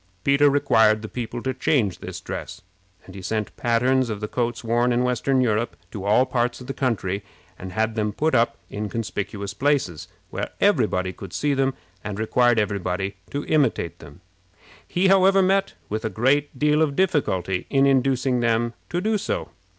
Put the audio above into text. Peter required the people to change this dress; and he sent patterns of the coats worn in western Europe to all parts of the country, and had them put up in conspicuous places, where every body could see them, and required every body to imitate them. He, however, met with a great deal of difficulty in inducing them to do so.